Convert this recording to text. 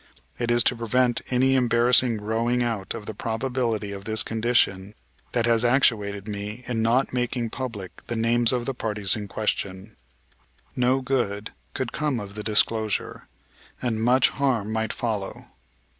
It is to prevent any embarrassment growing out of the probability of this condition that has actuated me in not making public the names of the parties in question. No good could come of the disclosure, and much harm might follow.